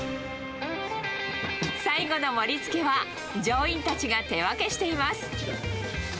最後の盛りつけは、乗員たちが手分けしています。